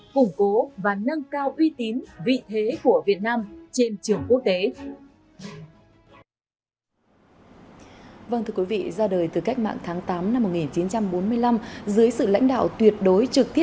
củng cố và nâng cao uy tín vị thế của việt nam trên trường quốc tế